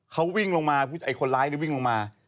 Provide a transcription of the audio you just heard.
เขาวิ่งลงมาคนร้ายวิ่งลงมา